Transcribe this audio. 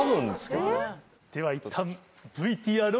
ではいったん。